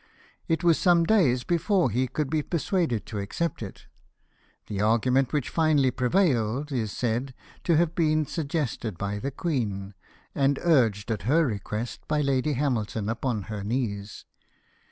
It was some days before he could be persuaded to accept it ; the argument which finally prevailed is said to have been suggested by the queen, and urged, at her request, by Lady Hamilton upon her knees.